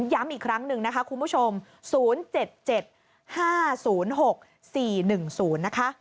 ย้ำอีกครั้งหนึ่งนะคะคุณผู้ชม๐๗๗๕๐๖๔๑๐นะคะ